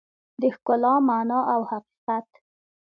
د ښکلا مانا او حقیقت